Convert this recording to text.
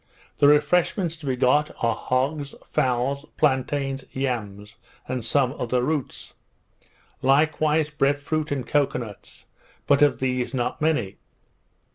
The refreshments to be got are hogs, fowls, plantains, yams, and some other roots; likewise bread fruit and cocoa nuts, but of these not many.